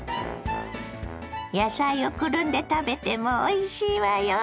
野菜をくるんで食べてもおいしいわよ。